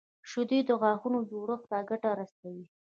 شیدې د غاښونو جوړښت ته ګټه رسوي